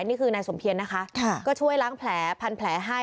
นี่คือนายสมเพียรนะคะก็ช่วยล้างแผลพันแผลให้